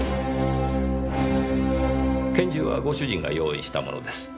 拳銃はご主人が用意したものです。